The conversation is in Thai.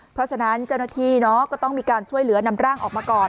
เพราะฉะนั้นเจ้าหน้าที่ก็ต้องมีการช่วยเหลือนำร่างออกมาก่อน